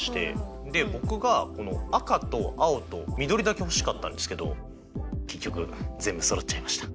で僕がこの赤と青と緑だけ欲しかったんですけど結局全部そろっちゃいました。